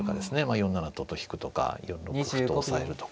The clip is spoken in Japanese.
４七とと引くとか４六歩と押さえるとか。